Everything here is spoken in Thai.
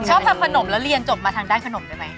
ชอบทำขนมแล้วเรียนจบมาทางด้านขนมได้ไหม